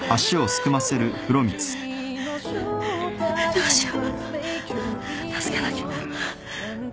どうしよう助けなきゃ。